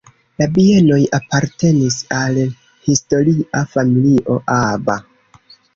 La bienoj apartenis al historia familio "Aba".